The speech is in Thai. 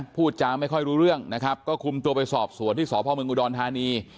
พูดจาไม่ค่อยรู้เรื่องนะครับก็คุมตัวไปสอบสวนที่สพเมืองอุดรธานี